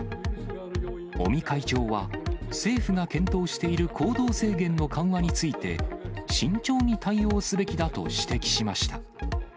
尾身会長は、政府が検討している行動制限の緩和について、慎重に対応すべきだと指摘しました。